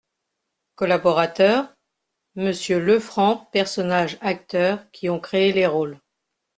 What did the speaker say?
COLLABORATEUR : Monsieur LEFRANC PERSONNAGES Acteurs qui ont créé les rôles.